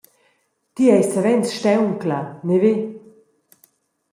Ti eis savens stauncla, neve?